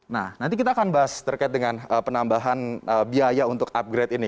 nah nanti kita akan bahas terkait dengan penambahan biaya untuk upgrade ini